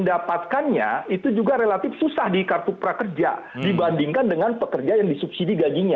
dapatkannya itu juga relatif susah di kartu prakerja dibandingkan dengan pekerja yang disubsidi gajinya